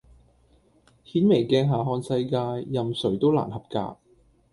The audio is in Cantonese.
顯微鏡下看世界，任誰都難合格